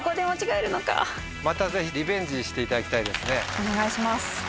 お願いします。